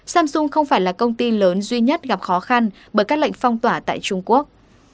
samsung không phải là công ty lớn duy nhất gặp khó khăn bởi các lệnh phong tỏa tại trung quốc